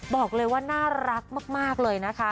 บอกเลยว่าน่ารักมากเลยนะคะ